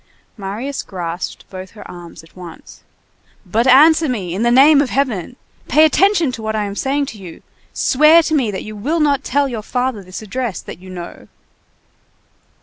Marius grasped both her arms at once. "But answer me, in the name of Heaven! pay attention to what I am saying to you, swear to me that you will not tell your father this address that you know!"